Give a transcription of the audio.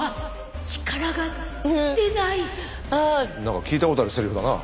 はあ何か聞いたことあるせりふだな。